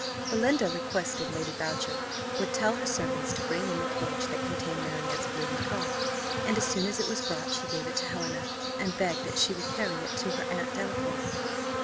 Belinda requested Lady Boucher would tell her servants to bring in the cage that contained Marriott's blue macaw; and as soon as it was brought she gave it to Helena, and begged that she would carry it to her Aunt Delacour.